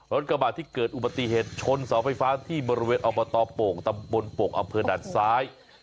รถกระบาดที่เกิดอุบัติเหตุชนเสาไฟฟ้าที่บริเวณอมตอปกตำบลปกอเผิดดันซ้าย